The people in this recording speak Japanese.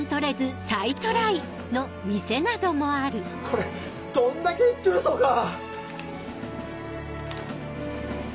これどんだけ行っちょるそか！